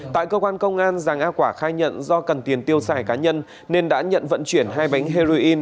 tại cơ quan công an giàng a quả khai nhận do cần tiền tiêu xài cá nhân nên đã nhận vận chuyển hai bánh heroin